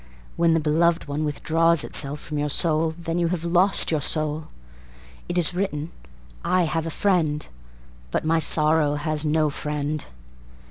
When the beloved one withdraws itself from your soul Then you have lost your soul. It is written: "l have a friend, But my sorrow has no friend."